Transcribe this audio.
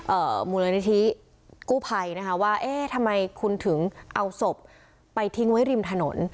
มูลนิธิกู้ภัยนะคะว่าเอ๊ะทำไมคุณถึงเอาศพไปทิ้งไว้ริมถนน